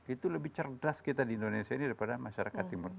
itu lebih cerdas kita di indonesia ini daripada masyarakat timur tengah